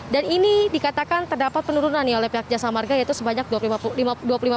dan ini dikatakan terdapat penurunan oleh pihak jasa marga yaitu sebanyak dua puluh lima persen